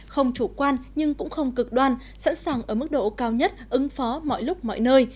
không chủ quan nhưng cũng không cực đoan sẵn sàng ở mức độ cao nhất ứng phó mọi lúc mọi nơi